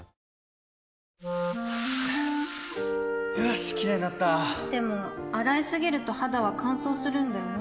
よしキレイになったでも、洗いすぎると肌は乾燥するんだよね